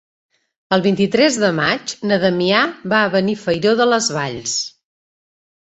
El vint-i-tres de maig na Damià va a Benifairó de les Valls.